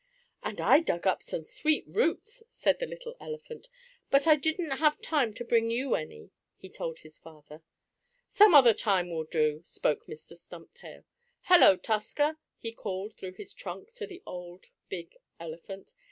"And I dug up some sweet roots," said the little elephant, "but I didn't have time to bring you any," he told his father. "Some other time will do," spoke Mr. Stumptail. "Hello, Tusker!" he called through his trunk to the old, big elephant.